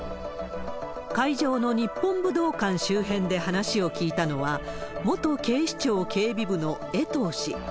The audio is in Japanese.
会場の日本武道館周辺で話を聞いたのは、元警視庁警備部の江藤氏。